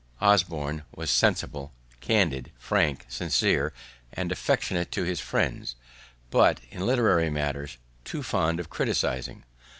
Osborne was sensible, candid, frank; sincere and affectionate to his friends; but, in literary matters, too fond of criticizing.